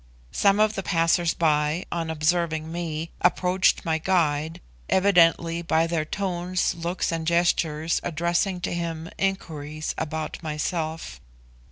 Some of the passers by, on observing me, approached my guide, evidently by their tones, looks, and gestures addressing to him inquiries about myself.